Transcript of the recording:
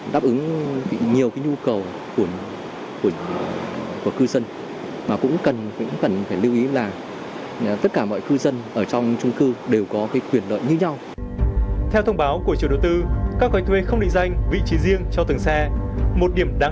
đáp ứng nhiều cái nhu cầu của cư dân